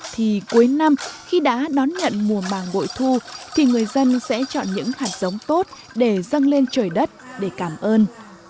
thì cuối năm khi đã đón nhận mùa màng bội thu thì người dân sẽ chọn những hạt giống tốt để dâng lên trời đất để cảm ơn